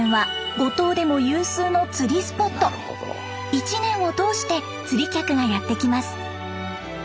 １年を通して釣り客がやってきます。